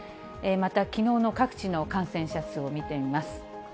またきのうの各地の感染者数を見てみます。